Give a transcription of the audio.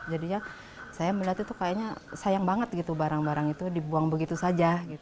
jadinya saya melihat itu kayaknya sayang banget gitu barang barang itu dibuang begitu saja